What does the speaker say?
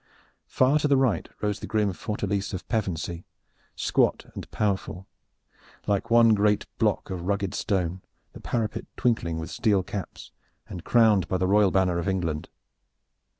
Far to the right rose the grim fortalice of Pevensey, squat and powerful, like one great block of rugged stone, the parapet twinkling with steel caps and crowned by the royal banner of England.